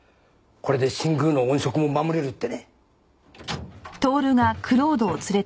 これで新宮の音色も守れるってね。